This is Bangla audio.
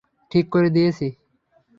ঠিক করে দিয়েছি!